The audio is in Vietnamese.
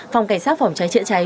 phòng cảnh sát phòng trái trễ trái